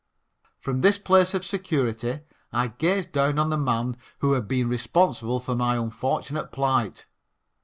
From this place of security I gazed down on the man who had been responsible for my unfortunate plight.